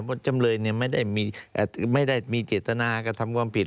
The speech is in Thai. เพราะจำเลยไม่ได้มีเจตนากระทำความผิด